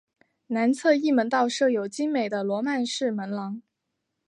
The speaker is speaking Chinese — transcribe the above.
南侧翼门道设有精美的罗曼式门廊。